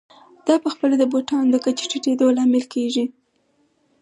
دا په خپله د بوټانو د کچې ټیټېدو لامل کېږي